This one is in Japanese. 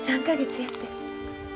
３か月やて。